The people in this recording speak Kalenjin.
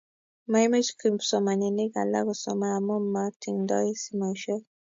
maimuch kipsomaninik alak kosoman amu mating'doi simoisiek